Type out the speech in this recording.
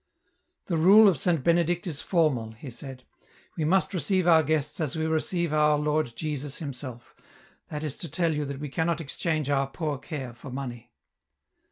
" The rule of Saint Benedict is formal," he said ;" we must receive our ^ests as we receive our Lord Jesus Himself, that is to tell you that we cannot exchange our poor care for money."